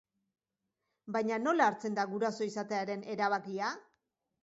Baina nola hartzen da guraso izatearen erabakia?